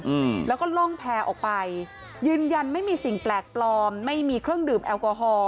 อืมแล้วก็ล่องแพร่ออกไปยืนยันไม่มีสิ่งแปลกปลอมไม่มีเครื่องดื่มแอลกอฮอล